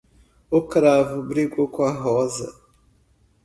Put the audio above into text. O cravo brigou com a rosa.